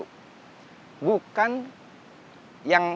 kita harus lihat dari kecak yang bagus